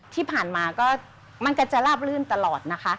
ที่ผ่านมาก็มันก็จะลาบลื่นตลอดนะคะ